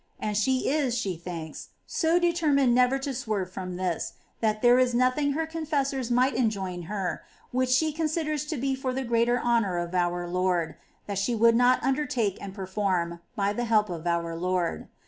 And she is, she thinks, so determined never to swerve from this, that there is nothing her confessors might enjoin her, which she considers to be for the greater honour of our Lord, that she would not undertake and perform, by the help of our Lord.